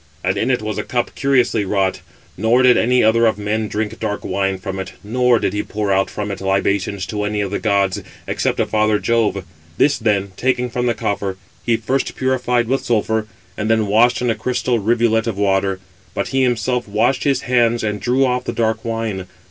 And in it was a cup curiously wrought, nor did any other of men drink dark wine from it, nor did he pour out [from it] libations to any of the gods, except to father Jove. This then, taking from the coffer, he first purified with sulphur, and then washed in a crystal rivulet of water; but he himself washed his hands, and drew off the dark wine.